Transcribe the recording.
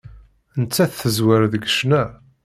Nettat teẓwer deg ccna.